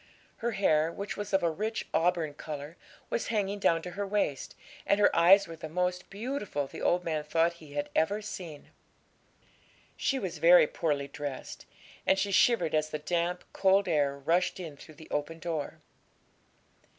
Her hair, which was of a rich auburn colour, was hanging down to her waist, and her eyes were the most beautiful the old man thought he had ever seen. She was very poorly dressed, and she shivered as the damp, cold air rushed in through the open door.